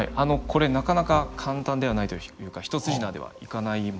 これなかなか簡単ではないというか一筋縄ではいかない問題でして。